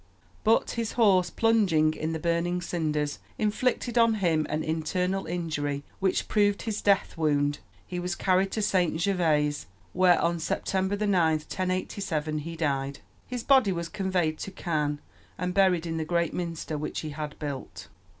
But his horse, plunging in the burning cinders, inflicted on him an internal injury, which proved his death wound He was carried to St. Gervais, where, on September 9, 1087, he died. His body was conveyed to Caen and buried in the great minster which he had built.